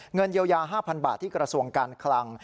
เงินเยียวยา๕๐๐บาทที่กระทรวงการคลัง